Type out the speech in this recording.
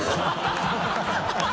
ハハハ